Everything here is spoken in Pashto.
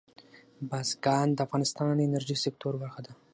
بزګان د افغانستان د انرژۍ سکتور برخه ده.